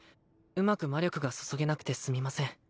うまく魔力が注げなくてすみません